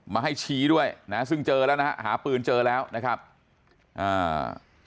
มาให้ชี้ด้วยนะซึ่งเจอแล้วนะฮะหาปืนเจอแล้วนะครับอ่า